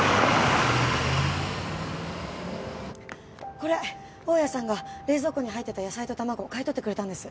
これ大家さんが冷蔵庫に入ってた野菜と卵買い取ってくれたんです。